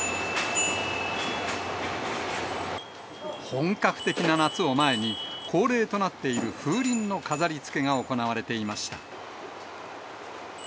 本格的な夏を前に、恒例となっている風鈴の飾りつけが行われていました。